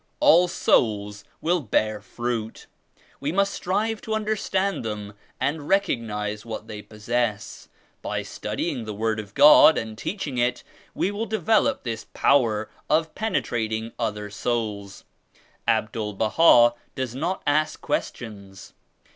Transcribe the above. All souls will bear fruit. We must strive to understand them and recognize what they possess. By studying the Word of God and teaching it, we will develop this power of penetrating other souls. Abdul Baha does not ask questions.